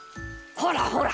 ほらほら。